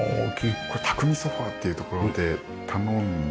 これ匠ソファっていうところで頼んで。